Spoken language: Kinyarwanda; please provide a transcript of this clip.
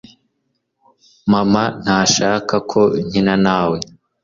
Mama ntashaka ko nkina nawe